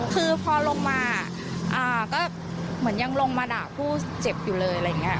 คือพอลงมาก็เหมือนยังลงมาด่าผู้เจ็บอยู่เลยอะไรอย่างนี้